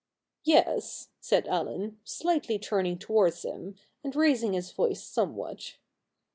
' Yes,' said Allen, slightly turning towards him, and raising his voice somewhat.